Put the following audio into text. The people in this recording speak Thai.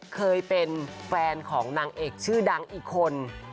เคยเป็นแฟนของนางเอกชื่อดังอีกคน